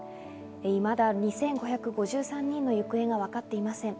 いまだに２５５３人の行方がわかっていません。